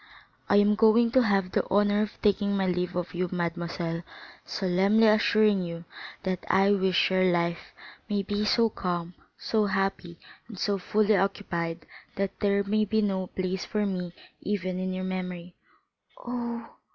"I am going to have the honor of taking my leave of you, mademoiselle, solemnly assuring you that I wish your life may be so calm, so happy, and so fully occupied, that there may be no place for me even in your memory." "Oh!"